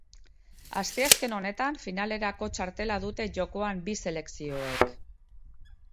Asteazken honetan finalerako txartela dute jokoan bi selekzioek.